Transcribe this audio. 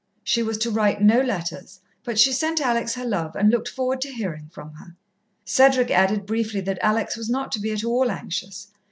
She was to write no letters, but she sent Alex her love and looked forward to hearing from her. Cedric added briefly that Alex was not to be at all anxious.